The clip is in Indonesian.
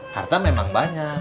harta memang banyak